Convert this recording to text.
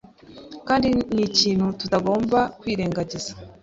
kandi ni ikintu tutagomba kwirengagiza.